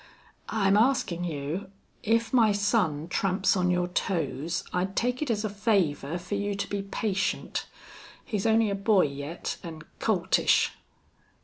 I'm askin' you if my son tramps on your toes I'd take it as a favor fer you to be patient. He's only a boy yet, an' coltish."